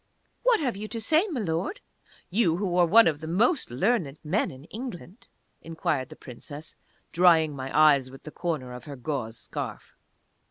"What have you to say, Milord? You, who are one of the most learned men in England?" inquired the Princess, drying my eyes with the corner of her gauze scarf.